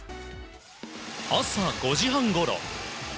朝５時半ごろ。